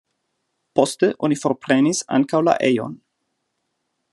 Poste oni forprenis ankaŭ la ejon.